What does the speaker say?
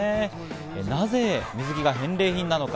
なぜ水着が返礼品なのか。